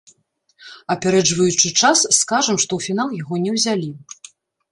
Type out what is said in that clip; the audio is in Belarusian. Апярэджваючы час, скажам, што ў фінал яго не ўзялі.